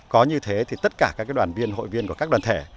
có như thế thì tất cả các đoàn viên hội viên của các đoàn thể